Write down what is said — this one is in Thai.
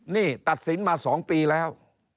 นี่ตัดสินมา๒ปีแล้ว